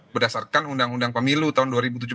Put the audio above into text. berdasarkan undang undang pemilu tahun dua ribu tujuh belas